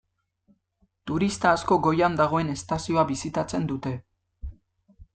Turista asko goian dagoen estazioa bisitatzen dute.